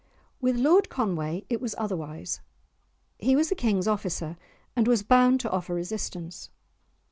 With Lord Conway it was otherwise; he was the King's officer, and was bound to offer resistance.